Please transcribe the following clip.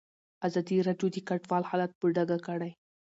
ازادي راډیو د کډوال حالت په ډاګه کړی.